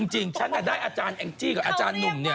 จริงฉันได้อาจารย์แองจี้กับอาจารย์หนุ่มเนี่ย